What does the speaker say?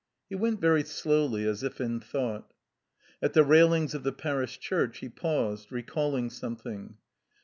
He went very slowly, as if in thought. At the railings of the Parish Church he paused, re calling something.